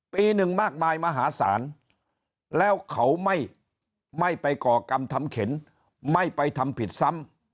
ปีหนึ่งมากมายมหาศาลแล้วเขาไม่ไปก่อกรรมทำเข็นไม่ไปทำผิดซ้ำ